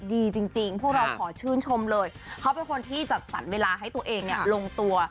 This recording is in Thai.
ดีจริงพวกเราขอชื่นชมเลยเขาเป็นคนที่จัดสรรเวลาให้ตัวเองเนี่ยลงตัว